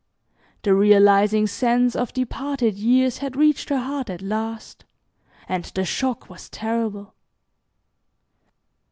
The realizing sense of departed years had reached her heart at last, and the shock was terrible.